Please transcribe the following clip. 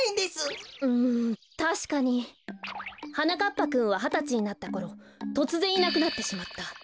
ぱくんははたちになったころとつぜんいなくなってしまった。